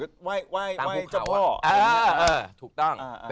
ตามกุภาพ